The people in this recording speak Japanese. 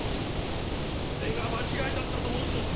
それが間違いだったと申すのか？